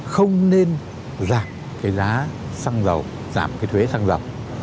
không nên giảm cái giá xăng dầu giảm cái thuế xăng dầu